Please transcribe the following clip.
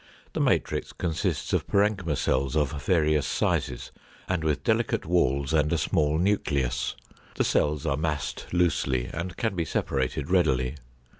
The matrix consists of parenchyma cells of various sizes and with delicate walls, and a small nucleus. The cells are massed loosely, and can be separated readily.